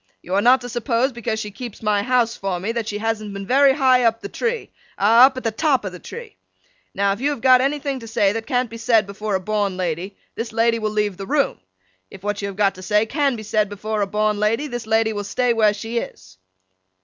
You are not to suppose because she keeps my house for me, that she hasn't been very high up the tree—ah, up at the top of the tree! Now, if you have got anything to say that can't be said before a born lady, this lady will leave the room. If what you have got to say can be said before a born lady, this lady will stay where she is.